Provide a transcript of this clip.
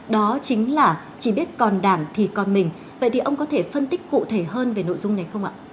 đó chính là chỉ biết còn đảng thì còn mình vậy thì ông có thể phân tích cụ thể hơn về nội dung này không ạ